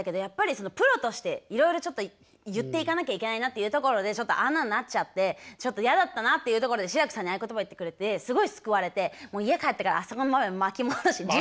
やっぱりプロとしていろいろちょっと言っていかなきゃいけないなっていうところでちょっとあんなんなっちゃってちょっと嫌だったなっていうところで志らくさんにああいう言葉言ってくれてすごい救われて家帰ってからあそこの場面巻き戻し。